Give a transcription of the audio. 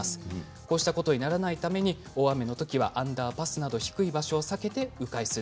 こうしたことにならないためにも大雨のときにはアンダーパスなどの低い場所や浸水した道を避けてう回する。